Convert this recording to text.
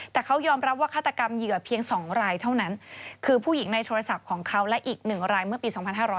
แต่เขายอมรับว่าฆาตกรรมเหยื่อเพียง๒รายเท่านั้นคือผู้หญิงในโทรศัพท์ของเขาและอีก๑รายเมื่อปี๒๕๕๙